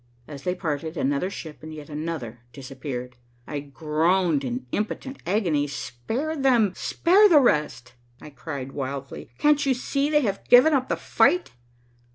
As they parted, another ship and yet another disappeared. I groaned in impotent agony. "Spare them, spare the rest?" I cried wildly. "Can't you see they have given up the fight."